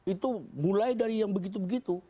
itu mulai dari yang begitu begitu